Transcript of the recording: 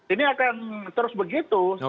ini akan terus begitu